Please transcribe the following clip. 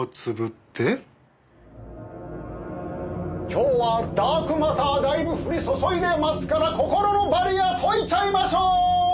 今日はダークマターだいぶ降り注いでますから心のバリア解いちゃいましょ！